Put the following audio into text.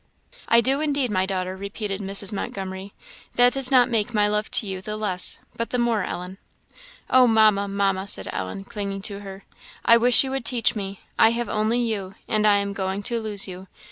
"I do, indeed, my daughter," repeated Mrs. Montgomery; "that does not make my love to you the less, but the more, Ellen." "Oh, Mamma, Mamma!" said Ellen, clinging to her, "I wish you would teach me! I have only you, and I am going to lose you.